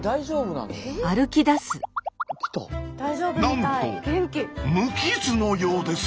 なんと無傷のようです！